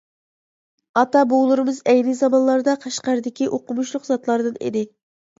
ئاتا-بوۋىلىرىمىز ئەينى زامانلاردا قەشقەردىكى ئوقۇمۇشلۇق زاتلاردىن ئىدى.